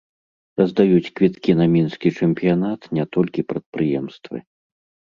Раздаюць квіткі на мінскі чэмпіянат не толькі прадпрыемствы.